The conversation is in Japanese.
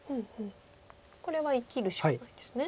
これは生きるしかないですね。